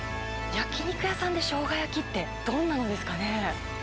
焼き肉屋さんでしょうが焼きってどんなのなんですかね。